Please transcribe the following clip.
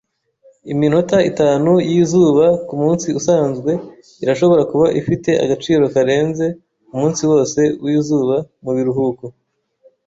Iminota itanu yizuba kumunsi usanzwe irashobora kuba ifite agaciro karenze umunsi wose wizuba mubiruhuko.